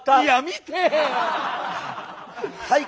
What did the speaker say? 見て。